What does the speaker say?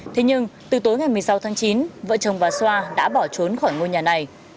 thế nhưng từ tối ngày một mươi sáu tháng chín vợ chồng bà xoa đã bỏ trốn khỏi ngôi nhà này